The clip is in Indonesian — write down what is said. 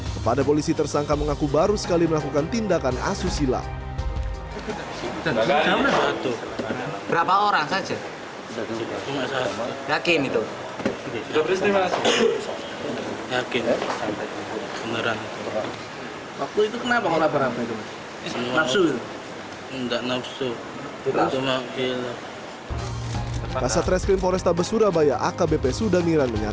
kepada polisi tersangka mengaku baru sekali melakukan tindakan asusila